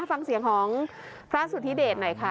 ฟังเสียงของพระสุธิเดชหน่อยค่ะ